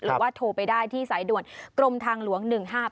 หรือว่าโทรไปได้ที่สายด่วนกรมทางหลวง๑๕๘